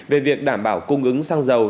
về việc đảm bảo cung ứng sang giàu